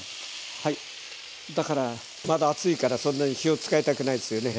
はいだからまだ暑いからそんなに火を使いたくないですよね。